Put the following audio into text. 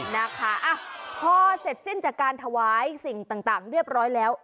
นะคะพอเสร็จสิ้นจากการถวายสิ่งต่างเรียบร้อยแล้ว